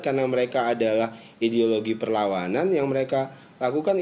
karena mereka adalah ideologi perlawanan yang mereka lakukan